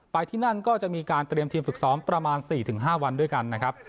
ที่นั่นก็จะมีการเตรียมทีมฝึกซ้อมประมาณ๔๕วันด้วยกันนะครับ